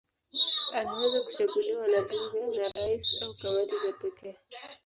Anaweza kuchaguliwa na bunge, na rais au kamati za pekee.